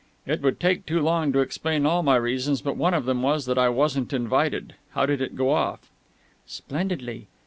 "It would take too long to explain all my reasons, but one of them was that I wasn't invited. How did it go off?" "Splendidly.